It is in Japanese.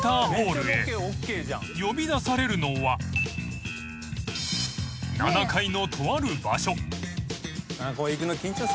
［呼び出されるのは７階のとある場所］